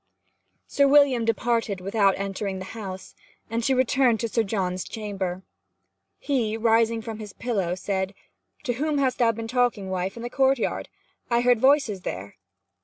Sir William departed without entering the house, and she returned to Sir John's chamber. He, rising from his pillow, said, 'To whom hast been talking, wife, in the courtyard? I heard voices there.'